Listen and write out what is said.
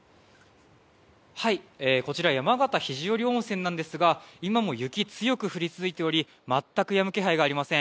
こちら山形・肘折温泉ですが今も雪が強く降り続いており全くやむ気配がありません。